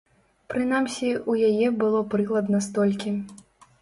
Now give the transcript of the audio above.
Прынамсі, у яе было прыкладна столькі.